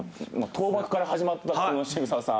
倒幕から始まったこの渋沢さん。